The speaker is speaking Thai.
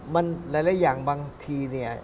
มันหลายอย่างบางทีเนี่ย